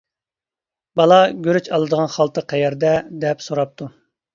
بالا: «گۈرۈچ ئالىدىغان خالتا قەيەردە؟ » دەپ سوراپتۇ.